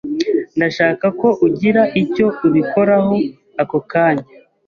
Ndashaka ko ugira icyo ubikoraho ako kanya.